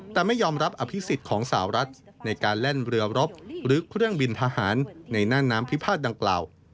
แต่ไม่ยอมรับอภิษฎของสาวรัฐในการแล่นเรือรบหรือเครื่องบินทหารในหน้าน้ำพิพาทดังกล่าว